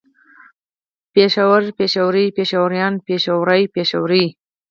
پېښوری پېښوري پېښوريان پېښورۍ پېښورې